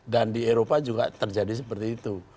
dan di eropa juga terjadi seperti itu